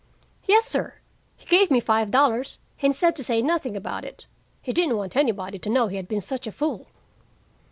"Yes, sir. He gave me five dollars, and said to say nothing about it. He didn't want anybody to know he had been such a fool."